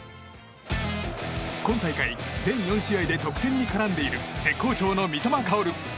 今大会、全４試合で得点に絡んでいる絶好調の三笘薫。